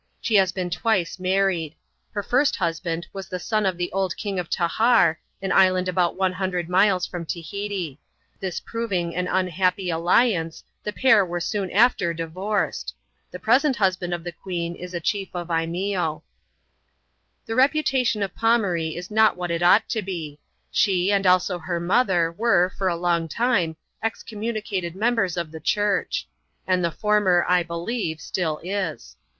She has been twice married. Her first husband was a son of the old King of Tahar, an island about one hundred miles fi*om Tahiti. This proving an unhappy alliance, the pair were soon after divorced. The present husband of the queen j8 a chief of Imeeo, X 2 308 ADVENTURES IN THE SOUTH SEAS. [chap. lxxx. The reputation of Pomaree is not what it ought to be. She, and also her mother, were, for a long time, excommunicated members of the Church ; and the former, I believe, still is.